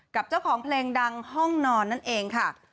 กับเจ้าของเพลงดังห้องนอนนั่นเองค่ะ